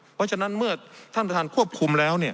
เพราะฉะนั้นเมื่อท่านประธานควบคุมแล้ว